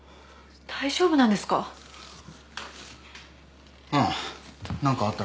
大丈夫なんですか？